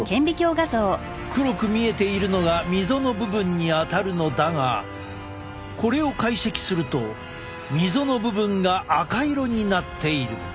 黒く見えているのが溝の部分にあたるのだがこれを解析すると溝の部分が赤色になっている。